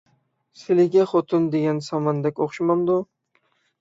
سىلىگە خوتۇن دېگەن ساماندەك ئوخشىمامدۇ؟